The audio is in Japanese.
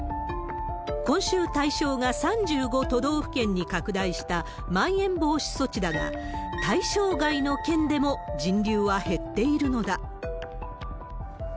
今週、対象が３５都道府県に拡大したまん延防止措置だが、対象外の県でも人流は減っているのだ。